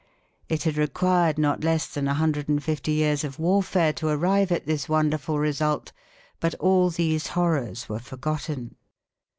It had required not less than 150 years of warfare to arrive at this wonderful result. But all these horrors were forgotten.